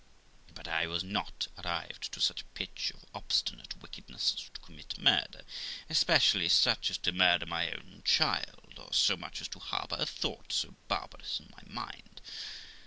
But I was not arrived to such a pitch of obstinate wickedness as to commit murder, especially such as to murder my own child, or so much as to harbour a thought so bar barous in my mind.